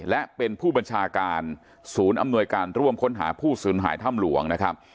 และเป็นผู้บัญชาการศูนย์อำนวยการร่วมค้นหาผู้สูญหายถ้ำหลวงนะครับ